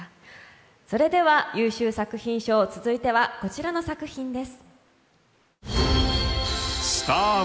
優秀作品賞、続いてはこちらの作品です。